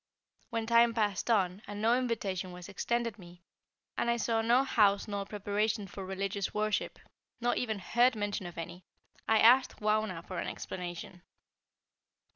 When time passed on, and no invitation was extended me, and I saw no house nor preparation for religious worship, nor even heard mention of any, I asked Wauna for an explanation.